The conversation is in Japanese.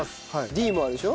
Ｄもあるでしょ？